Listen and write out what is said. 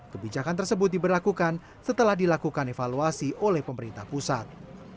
kebijakan tersebut diberlakukan setelah dilakukan evaluasi oleh pemerintah pusat